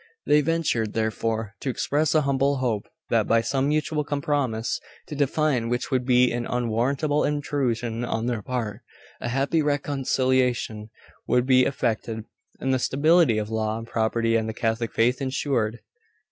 They ventured, therefore, to express a humble hope that, by some mutual compromise, to define which would be an unwarrantable intrusion on their part, a happy reconciliation would be effected, and the stability of law, property, and the Catholic Faith ensured.